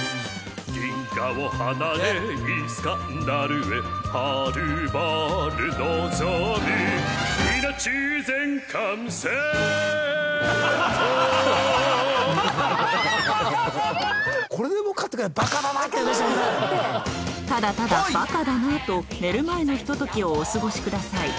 銀河をはなれイスカンダルへはるばるのぞむただただ「バカだなぁ」と寝る前のひと時をお過ごしください